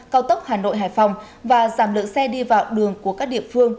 cao tốc hà nội hải phòng và giảm lượng xe đi vào đường của các địa phương